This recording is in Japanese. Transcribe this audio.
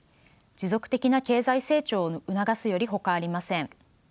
持続的な経済成長を促すよりほかありません。